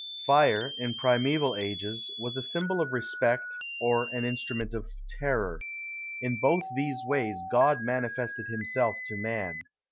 Fire, in primÃḊval ages, was a symbol of respect, or an instrument of terror. In both these ways God manifested himself to man.